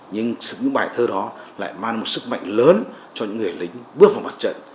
nhưng những bài thơ đó lại mang một sức mạnh lớn cho những người lính bước vào mặt trận